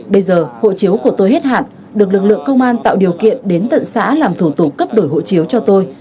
bây giờ hộ chiếu của tôi hết hạn được lực lượng công an tạo điều kiện đến tận xã làm thủ tục cấp đổi hộ chiếu cho tôi